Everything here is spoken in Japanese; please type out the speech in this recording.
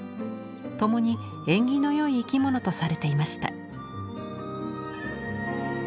共に縁起のよい生き物とされていました。